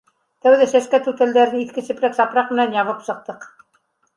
Тәүҙә сәскә түтәлдәрен иҫке сепрәк-сапраҡ менән ябып сыҡтыҡ.